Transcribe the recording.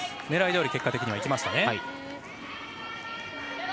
狙いどおり結果的にはいきましたね。